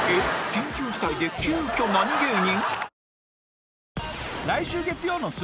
緊急事態で急きょ何芸人？